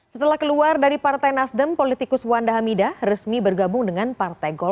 setelah keluar dari partai nasdem politikus wanda hamidah resmi bergabung dengan partai golkar